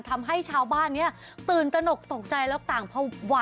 ทำให้ชาวบ้านตื่นตนกตกใจแล้วก็เชื่อ